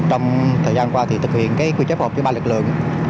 trong thời gian qua thực hiện quy chấp hợp với ba lực lượng